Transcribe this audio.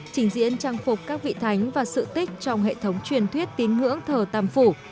trình diễn trang phục các vị thánh và sự tích trong hệ thống truyền thuyết tín ngưỡng thờ tàm phủ